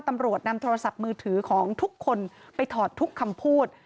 ตำรวจนำโทรศัพท์มือถือของทุกคนไปถอดทุกคำพูด